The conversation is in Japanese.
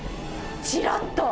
ちらっと。